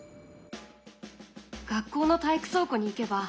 学校の体育倉庫に行けば。